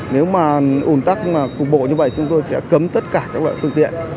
nếu mà ôn tắc cục bộ như vậy thì chúng tôi sẽ cấm tất cả các loại phương tiện